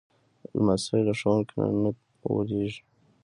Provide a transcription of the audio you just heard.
لمسی له ښوونکو نه نه وېرېږي.